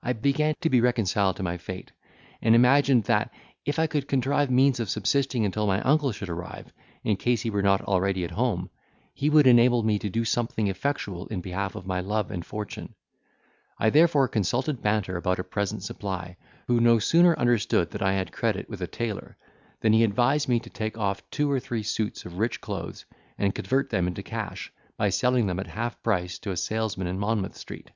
I began to be reconciled to my fate, and imagined, that, if I could contrive means of subsisting until my uncle should arrive, in case he were not already at home, he would enable me to do something effectual in behalf of my love and fortune; I therefore consulted Banter about a present supply, who no sooner understood that I had credit, with a tailor, than he advised me to take off two or three suits of rich clothes, and convert them into cash, by selling them at half price to a salesman in Monmouth Street.